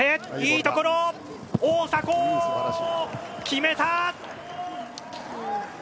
いいところ、大迫を決めた。